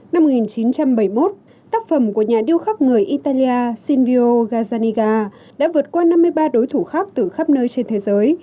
năm một nghìn chín trăm bảy mươi một tác phẩm của nhà điêu khắc người italia shinbio ghazaniga đã vượt qua năm mươi ba đối thủ khác từ khắp nơi trên thế giới